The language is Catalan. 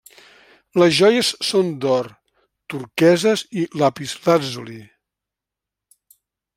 Les joies són d'or, turqueses i lapislàtzuli.